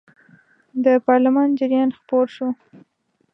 د پارلمان جریان خپور شو.